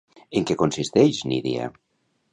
En què consisteix Nydia?